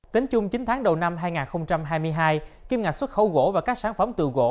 tính chung chín tháng đầu năm hai nghìn hai mươi hai kim ngạch xuất khẩu gỗ và các sản phẩm từ gỗ